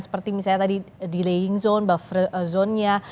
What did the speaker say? seperti misalnya tadi di laying zone buffering zone nya